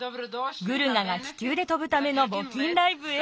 グルガが気球で飛ぶためのぼきんライブへ。